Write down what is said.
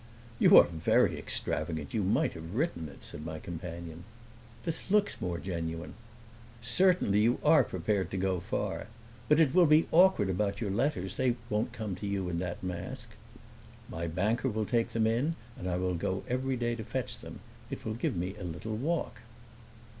"You are very extravagant; you might have written it," said my companion. "This looks more genuine." "Certainly, you are prepared to go far! But it will be awkward about your letters; they won't come to you in that mask." "My banker will take them in, and I will go every day to fetch them. It will give me a little walk."